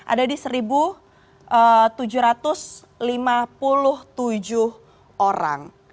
ada di satu tujuh ratus lima puluh tujuh orang